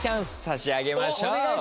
差し上げましょう。